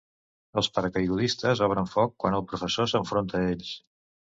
Els paracaigudistes obren foc quan el professor s'enfronta a ells.